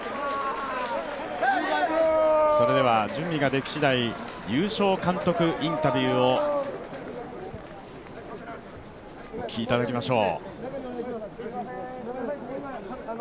準備ができ次第、優勝監督インタビューをお聞きいただきましょう。